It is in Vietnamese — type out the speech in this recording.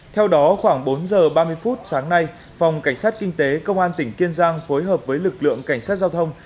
theo đó khoảng bốn giờ ba mươi phút sáng nay phòng cảnh sát kinh tế công an tỉnh kiên giang phối hợp với lực lượng cảnh sát giao thông